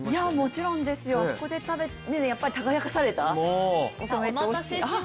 もちろんですよ、あそこで耕かされたお米っておいしい。